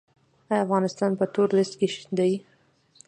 آیا افغانستان په تور لیست کې دی؟